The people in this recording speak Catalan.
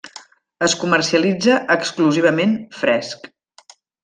Es comercialitza exclusivament fresc.